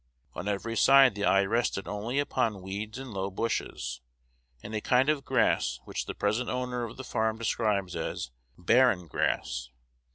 On every side the eye rested only upon weeds and low bushes, and a kind of grass which the present owner of the farm describes as "barren grass."